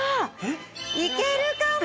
いけるかも！